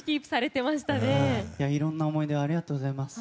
いろいろな思い出ありがとうございます。